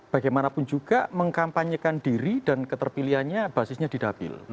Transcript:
bagaimanapun juga mengkampanyekan diri dan keterpilihannya basisnya di dapil